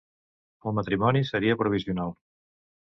El matrimoni seria provisional.